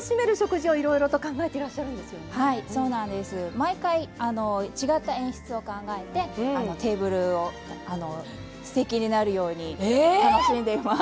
毎回違った演出を考えてテーブルをすてきになるように楽しんでいます。